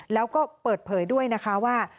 แล้วก็เปิดเผยด้วยนะคะว่า